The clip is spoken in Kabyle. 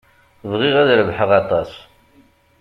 Bɣiɣ ad rebḥeɣ aṭas.